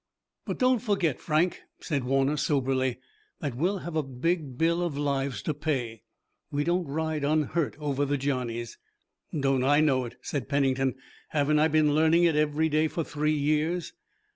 "But don't forget, Frank," said Warner soberly, "that we'll have a big bill of lives to pay. We don't ride unhurt over the Johnnies." "Don't I know it?" said Pennington. "Haven't I been learning it every day for three years?"